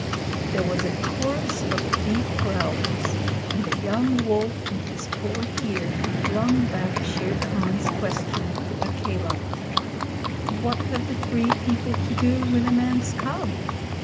There was a chorus of deep growls, and a young wolf in his fourth year flung back Shere Khan's question to Akela: 'What have the Free People to do with a man's cub?'